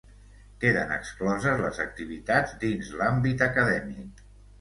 Queden excloses les activitats dins l'àmbit acadèmic.